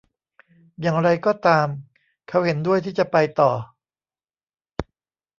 อย่างไรก็ตาม เขาเห็นด้วยที่จะไปต่อ